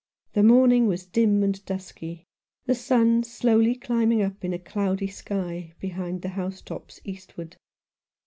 The morning was dim and dusky — the sun slowly climbing up in a cloudy sky behind the housetops eastward.